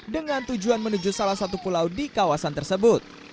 dengan tujuan menuju salah satu pulau di kawasan tersebut